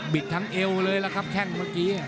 ทั้งเอวเลยล่ะครับแข้งเมื่อกี้